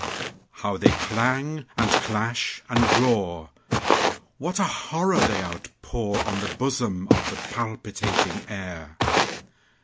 How they clang, and clash, and roar! What a horror they outpourOn the bosom of the palpitating air!